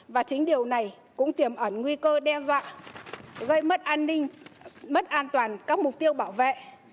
và chính điều này cũng tiềm ẩn nguy cơ đe dọa gây mất an ninh mất an toàn các mục tiêu bảo vệ